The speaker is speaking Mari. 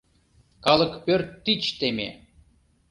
Калык пӧрт тич теме.